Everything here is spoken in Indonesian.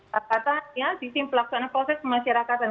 pakatannya sisi pelaksanaan proses kemasyarakatan